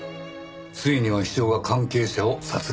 ついには秘書が関係者を殺害。